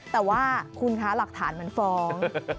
แต่ว่าคุณคะหลักฐานมันฟ้อง